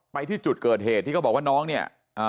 ไปที่จุดเกิดเหตุที่เขาบอกว่าน้องเนี่ย